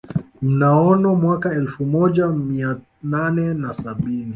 Mnaono mwaka elfu moja mia nane na sabini